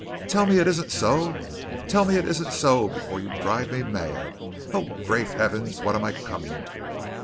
Tell me it isn't so! Tell me it isn't so before you drive me mad! Oh, great Heavens, what am I coming to?